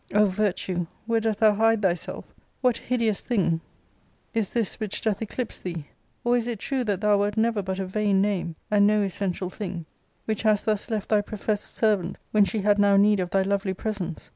O virtue, where dost thou hide thyself? What hideous thing is this which doth eclipse thee ? Or is it true that thou wert never but a vain name, and no essen tial thing, which hast thus left thy professed servant when she had now need of thy lovely presence